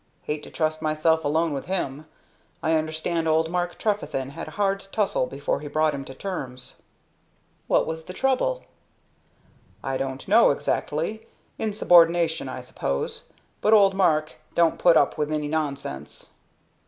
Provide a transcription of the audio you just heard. Hate to trust myself alone with him. I understand old Mark Trefethen had a hard tussle before he brought him to terms." "What was the trouble?" "I don't know, exactly. Insubordination, I suppose; but old Mark don't put up with any nonsense."